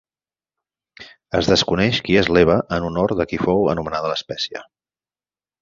Es desconeix qui és l'Eva en honor de qui fou anomenada l'espècie.